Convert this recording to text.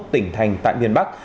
ba mươi một tỉnh thành tại miền bắc